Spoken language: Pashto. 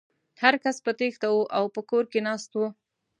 هر کس په تېښته و او په کور کې ناست و.